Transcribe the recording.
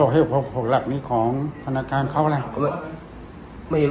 ๖หลักนี้ของธนาคารเขาอะไร